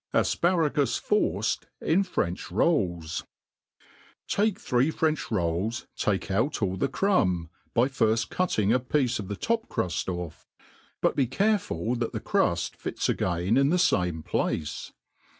Afparagus forced in French Rolls. TAKE three French rolls, take out all the crumb, by firft cutting a piece of the top*cfuft off; but be careful that the cruil fits again the fame place.